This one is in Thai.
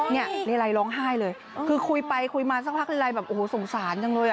นี่เรไรร้องไห้เลยคือคุยไปคุยมาสักพักเรไรสงสารจังเลย